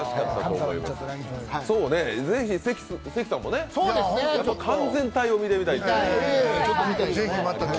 ぜひ関さんもね、完全体を見てみたいですね。